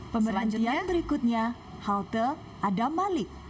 pemberhentian berikutnya halte adamalik